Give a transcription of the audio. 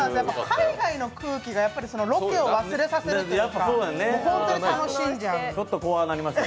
海外の空気がロケを忘れさせるというか、本当に楽しんじゃう。